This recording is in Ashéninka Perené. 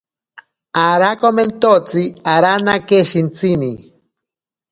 Arakomentotsi aranake shintsini.